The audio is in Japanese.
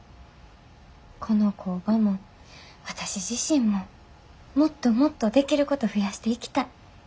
この工場も私自身ももっともっとできること増やしていきたい。